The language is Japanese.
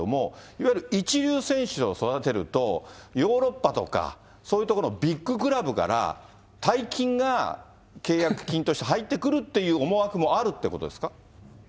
いわゆる一流選手を育てると、ヨーロッパとかそういう所のビッグクラブから、大金が契約金として入ってくるっていう思惑もあるってことですか。